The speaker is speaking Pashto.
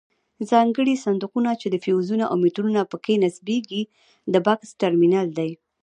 ځانګړي صندوقونه چې فیوزونه او میټرونه پکې نصبیږي د بکس ټرمینل دی.